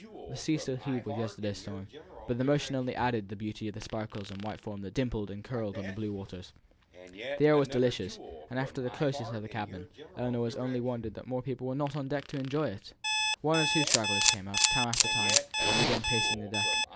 The sea still heaved with yesterday's storm, but the motion only added to the beauty of the sparkles and white foam that dimpled and curled on the blue waters. The air was delicious, after the closeness of the cabin, and Ellinor only wondered that more people were not on deck to enjoy it. One or two stragglers came up, time after time, and began pacing the deck.